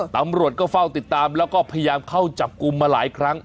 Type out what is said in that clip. ตำรวจก็เฝ้าติดตามแล้วก็พยายามเข้าจับกลุ่มมาหลายครั้ง